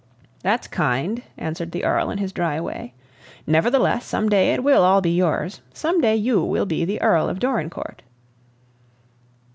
"That's kind," answered the Earl in his dry way; "nevertheless, some day it will all be yours some day you will be the Earl of Dorincourt."